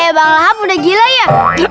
yee bang lahap udah gila ya